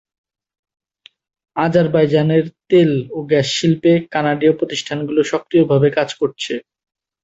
Azerbaijan এর তেল ও গ্যাস শিল্পে কানাডীয় প্রতিষ্ঠানগুলো সক্রিয়ভাবে কাজ করছে।